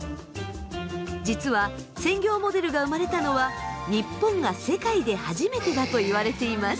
実は専業モデルが生まれたのは日本が世界で初めてだといわれています。